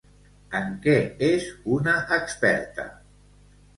En què és una experta?